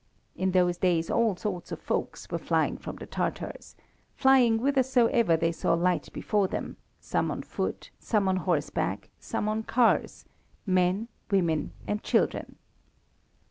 In those days all sorts of folks were flying from the Tatars, flying whithersoever they saw light before them, some on foot, some on horseback, some on cars, men, women, and children.